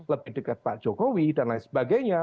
lebih dekat pak jokowi dan lain sebagainya